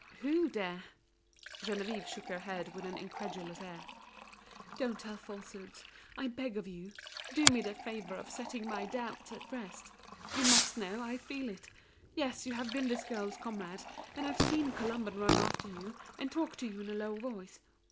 "Who, dear?" Geneviève shook her head with an incredulous air, "Don't tell falsehoods, I beg of you. Do me the favour of setting my doubts at rest. You must know, I feel it. Yes, you have been this girl's comrade, and I've seen Colomban run after you, and talk to you in a low voice.